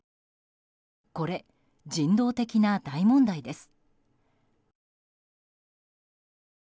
これ、人道的な大問題です。